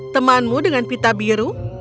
temanmu dengan pita biru